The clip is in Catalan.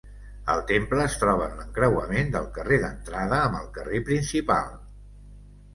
El temple es troba en l'encreuament del carrer d'entrada amb el carrer principal.